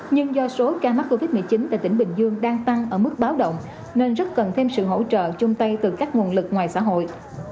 nhưng do số ca mắc covid một mươi chín tại tỉnh bình dương đang tăng ở mức báo động nên rất cần thêm sự hỗ trợ chung tay từ các nguồn lực ngoài xã hội